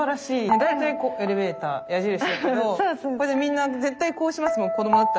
大体エレベーター矢印だけどこれでみんな絶対こうしますもん子どもだったら。